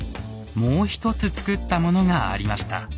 もう一つつくったものがありました。